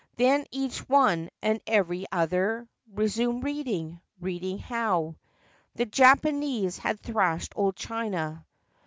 Then each one and every other Resumed reading—reading how The Japanese had thrashed old China.